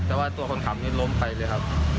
แต่ว่าตัวคนขับนี่ล้มไปเลยครับ